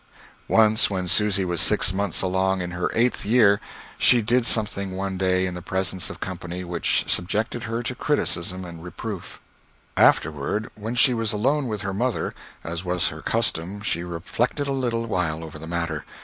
Once, when Susy was six months along in her eighth year, she did something one day in the presence of company, which subjected her to criticism and reproof. Afterward, when she was alone with her mother, as was her custom she reflected a little while over the matter.